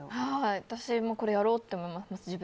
私もこれやろうって思いました。